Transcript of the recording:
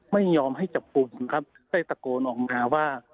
ไม่ยอมให้จับกลุ่มครับได้ตะโกนออกมาว่า